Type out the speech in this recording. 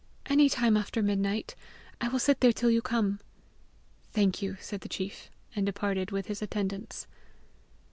"ANY time after midnight. I will sit there till you come." "Thank you," said the chief, and departed with his attendants.